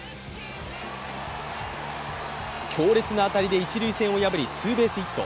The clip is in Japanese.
強烈な当たりで一塁線を破り、ツーベースヒット。